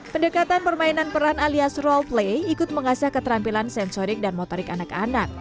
pendekatan permainan peran alias roll play ikut mengasah keterampilan sensorik dan motorik anak anak